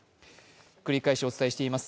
繰り返しお伝えしています。